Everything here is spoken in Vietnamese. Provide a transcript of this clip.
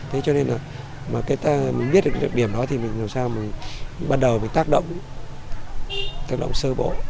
thế cho nên là mình biết được điểm đó thì mình làm sao bắt đầu mình tác động sơ bộ